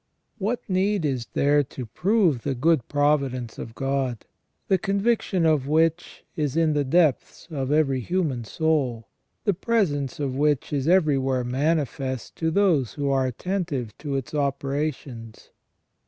What need is there to prove the good providence of God, the conviction of which is in the depths of every human soul, the presence of which is everywhere manifest to those who are attentive to its operations